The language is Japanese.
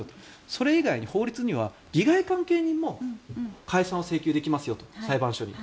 それ以外に法律には利害関係人も解散を請求できますよと裁判所に。